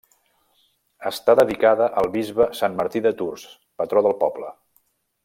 Està dedicada al bisbe Sant Martí de Tours, patró del poble.